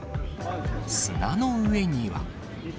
砂の上には。